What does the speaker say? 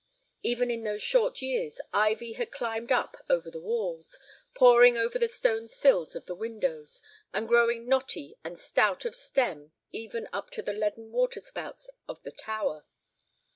Even in those short years ivy had climbed up over the walls, pouring over the stone sills of the windows, and growing knotty and stout of stem even up to the leaden water spouts of the tower.